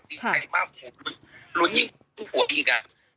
ในไข้บ้างหลุนยิ่งหัวอีก